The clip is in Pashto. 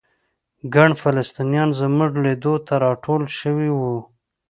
ګڼ فلسطینیان زموږ لیدو ته راټول شوي وو.